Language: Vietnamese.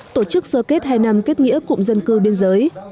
tổ chức sơ kết hai năm kết nghĩa cụm dân cư biên giới